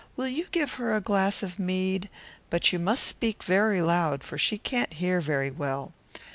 Will you take her a glass of mead? but you must speak very loud, for she cannot hear well."